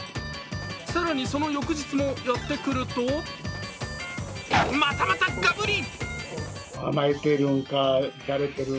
更に、その翌日もやってくると、またまたガブリ！